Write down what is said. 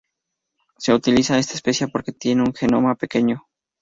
Se utiliza esta especie porque tiene un genoma pequeño.